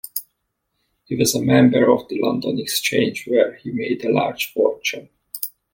He was a member of the London Exchange, where he made a large fortune.